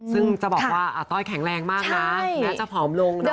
ซึ่งจะบอกว่าอาต้อยแข็งแรงมากนะแม้จะผอมลงนะ